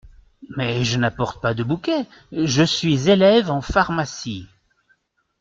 Mais je n’apporte pas de bouquet, je suis élève en pharmacie…